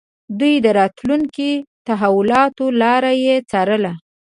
دوی د راتلونکو تحولاتو لاره يې څارله.